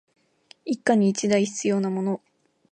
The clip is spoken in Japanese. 一家に一台必要なもの